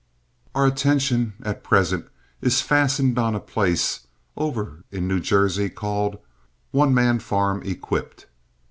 Our attention at present is fastened on a place over in New Jersey called One Man Farm Equipped.